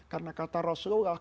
karena kata rasulullah